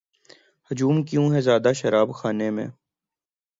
ہجوم کیوں ہے زیادہ شراب خانے میں